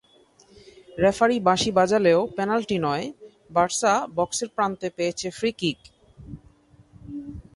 Referee বাঁশি বাজালেও penalty নয়, বার্সা বক্সের প্রান্তে পেয়েছে ফ্রি কিক।